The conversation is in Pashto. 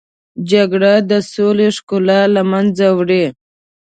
جګړه د سولې ښکلا له منځه وړي